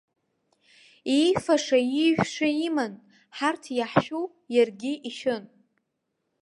Иифаша-иижәша иман, ҳарҭ иаҳшәу, иаргьы ишәын.